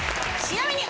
ちなみに。